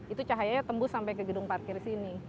itu cahayanya tembus sampai ke gedung parkir sini